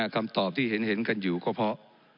คำตอบที่เห็นกันอยู่ก็เพราะ